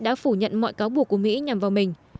đã phủ nhận mọi cáo buộc của mỹ nhằm vào mình